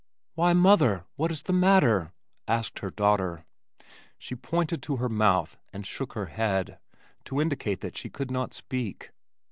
"Why, mother! what is the matter?" asked her daughter. She pointed to her mouth and shook her head, to indicate that she could not speak.